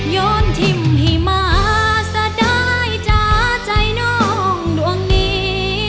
โยนทิมหิมะสะดายจ้าใจน้องดวงนี้